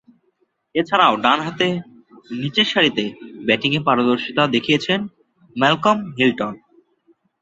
এছাড়াও ডানহাতে নিচেরসারিতে ব্যাটিংয়ে পারদর্শিতা দেখিয়েছেন ম্যালকম হিল্টন।